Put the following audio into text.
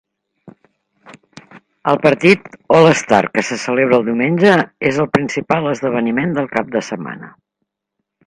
El partit All-Star, que se celebra el diumenge, és el principal esdeveniment del cap de setmana.